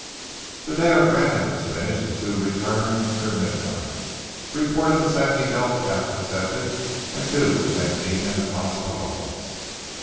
The day our branding was finished, the two returned near midnight, reported the San Miguel cattle accepted and due the next evening at Las Palomas.